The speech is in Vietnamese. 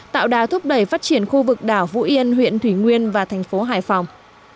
tạo đà thúc đẩy phát triển khu vực đảo phú yên huyện thủy nguyên và thành phố hải phòng